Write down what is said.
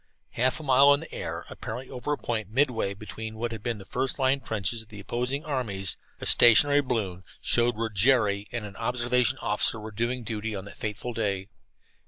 Half a mile in the air, apparently over a point midway between what had been the first line trenches of the opposing armies, a stationary balloon showed where Jerry and an observation officer were doing duty on that fateful day.